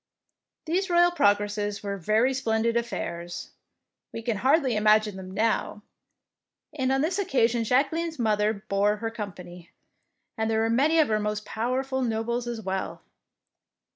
These royal progresses were very splendid affairs, we can hardly imag ine them now, and on this occasion Jacqueline's mother bore her company, and there were many of her most pow erful nobles as well.